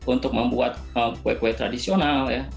untuk membuat kue kue tradisional ya